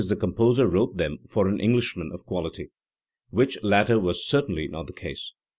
the composer wrote them for an Englishman of quality/' which latter was certainly not the case.